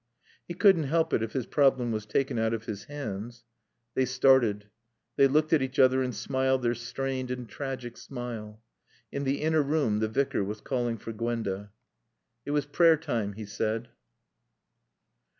He couldn't help it if his problem was taken out of his hands. They started. They looked at each other and smiled their strained and tragic smile. In the inner room the Vicar was calling for Gwenda. It was prayer time, he said.